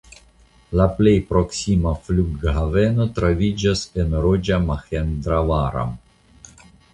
La plej proksima flughaveno troviĝas en Raĝamahendravaram.